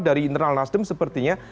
dari internal nasdem sepertinya